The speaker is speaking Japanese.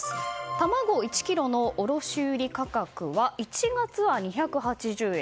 卵１ｋｇの卸売価格は１月は２８０円。